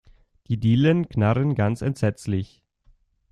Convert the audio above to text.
Die Dielen knarren ganz entsetzlich.